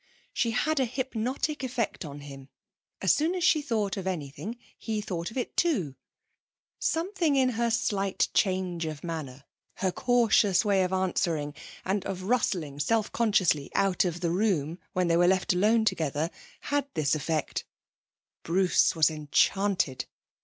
She had a hypnotic effect on him; as soon as she thought of anything he thought of it too. Something in her slight change of manner, her cautious way of answering, and of rustling self consciously out of the room when they were left alone together, had this effect. Bruce was enchanted.